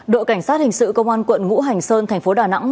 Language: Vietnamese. đội cảnh sát hình sự công an quận ngũ hành sơn thành phố đà nẵng